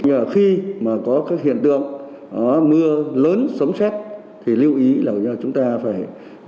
nhờ khi mà có các hiện tượng mưa lớn sống sét thì lưu ý là chúng ta phải